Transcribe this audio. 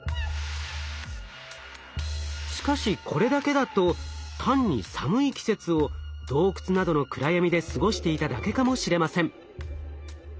しかしこれだけだと単に寒い季節を洞窟などの暗闇で過ごしていただけかもしれません。